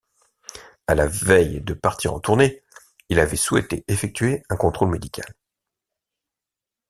À la veille de partir en tournée, il avait souhaité effectuer un contrôle médical.